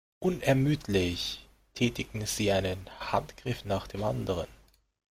Unermüdlich tätigen sie einen Handgriff nach dem anderen.